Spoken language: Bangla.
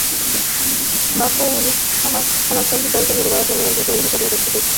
বাকৌনিন সমাজতান্ত্রিক দলকে নির্বাচনে বিজয়ী হিসেবে দেখতে চেয়েছিল।